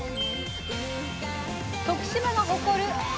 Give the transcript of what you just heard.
徳島が誇るはも。